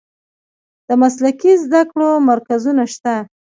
د مسلکي زده کړو مرکزونه شته؟